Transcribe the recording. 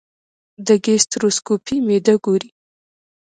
د ګیسټروسکوپي معده ګوري.